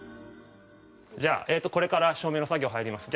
じゃあこれから照明の作業入ります。